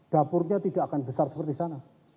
dapurnya tidak akan besar seperti sana